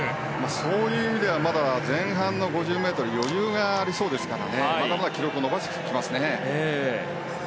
そういう意味ではまだ前半の５０ｍ余裕がありそうですからまだまだ記録を伸ばしてきますね。